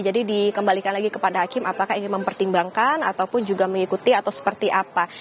jadi dikembalikan lagi kepada hakim apakah ingin mempertimbangkan ataupun juga mengikuti atau seperti apa